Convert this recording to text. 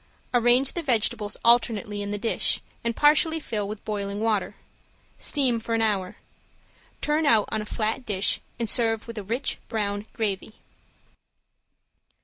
Arrange the vegetables alternately in the dish and partially fill with boiling water. Steam for an hour. Turn out on a flat dish, and serve with a rich brown gravy.